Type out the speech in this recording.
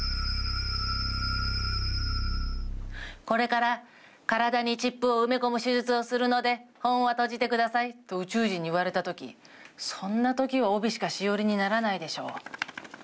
「これから体にチップを埋め込む手術をするので本を閉じてください」と宇宙人に言われた時そんな時は帯しかしおりにならないでしょう。